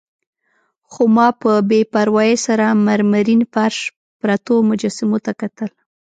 خو ما په بې پروايي سره مرمرین فرش، پرتو مجسمو ته کتل.